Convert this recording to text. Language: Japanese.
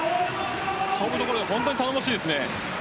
勝負どころで本当に頼もしいですね。